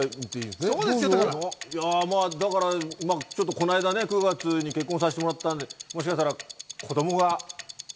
この間、９月に結婚させてもらったので、もしかしたら子供が。